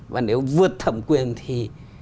và nếu vượt thẩm quyền thì